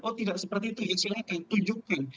oh tidak seperti itu silakan tunjukkan